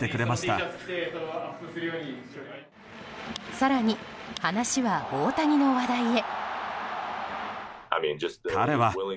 更に、話は大谷の話題へ。